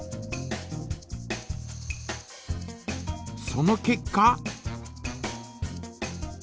その結果？